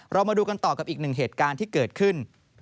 เรามาดูกันต่อกับอีกหนึ่งเหตุการณ์ที่เกิดขึ้น